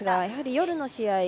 やはり夜の試合